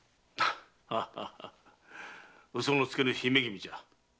嘘のつけぬ姫君じゃ。